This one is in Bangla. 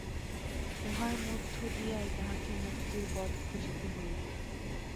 উহার মধ্য দিয়াই তাহাকে মুক্তির পথ খুঁজিতে হইবে।